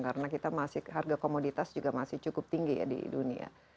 karena kita masih harga komoditas juga masih cukup tinggi ya di dunia